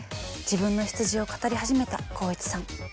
自分の出自を語り始めた航一さん。